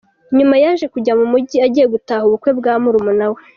Nyuma yaje kujya mu Mujyi agiye gutaha ubukwe bwa murumuna we.